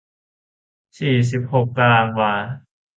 สี่สิบหกตารางวา